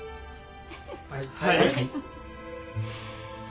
はい。